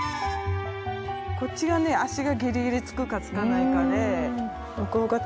こっちがね足がギリギリつくかつかないかで向こう